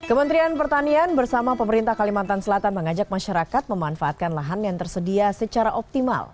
kementerian pertanian bersama pemerintah kalimantan selatan mengajak masyarakat memanfaatkan lahan yang tersedia secara optimal